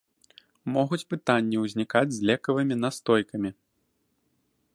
Могуць пытанні ўзнікаць з лекавымі настойкамі.